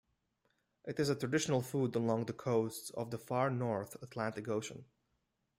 It is a traditional food along the coasts of the far north Atlantic Ocean.